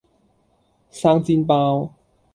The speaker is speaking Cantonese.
生煎包